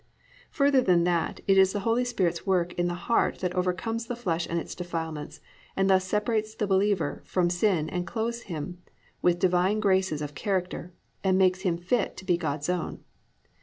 Further than that, it is the Holy Spirit's work in the heart that overcomes the flesh and its defilements, and thus separates the believer from sin and clothes him with divine graces of character, and makes him fit to be God's own.